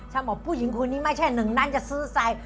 บอกผู้หญิงคนนี้ไม่ใช่หนึ่งนั้นจะซื้อไซด์